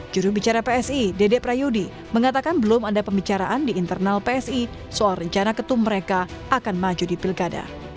jurubicara psi dede prayudi mengatakan belum ada pembicaraan di internal psi soal rencana ketum mereka akan maju di pilkada